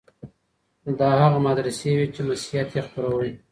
دا هغه مدرسې وې چي مسيحيت يې خپراوه.